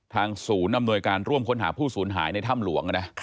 ศูนย์อำนวยการร่วมค้นหาผู้สูญหายในถ้ำหลวงนะ